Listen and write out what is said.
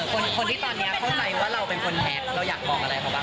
คนที่ตอนนี้เข้าใจไหมว่าเราเป็นคนแฮ็กเราอยากบอกอะไรเขาบ้าง